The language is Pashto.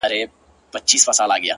• و ماته عجيبه دي توري د ؛